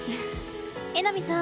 榎並さん